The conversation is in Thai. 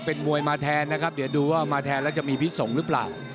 เป็นมวยมาแทนนะครับเดี๋ยวดูว่ามาแทนแล้วจะมีพิสงฆ์หรือเปล่า